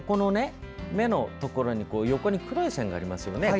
目の横に黒い線がありますよね。